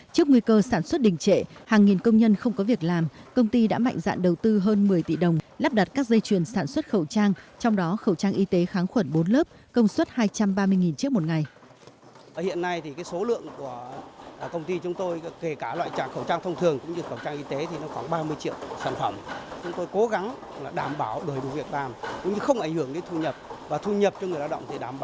trước nguy cơ sản xuất đình trệ hàng nghìn công nhân không có việc làm công ty đã mạnh dạng đầu tư hơn một mươi tỷ đồng lắp đặt các dây chuyền sản xuất khẩu trang trong đó khẩu trang y tế kháng khuẩn bốn lớp công suất hai trăm ba mươi chiếc một ngày